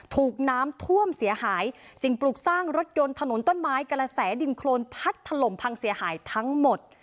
ถูกน้ำท่วมเสียหายสิ่งปลูกสร้างรถยนต์ถนนต้นไม้กระแสดินโครนพัดถล่มพังเสียหายทั้งหมด